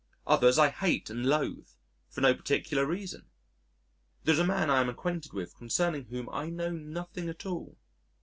Others I hate and loathe for no particular reason. There is a man I am acquainted with concerning whom I know nothing at all.